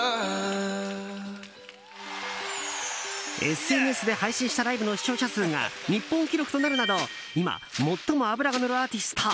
ＳＮＳで配信したライブの視聴者数が日本記録となるなど今、最も脂がのるアーティスト。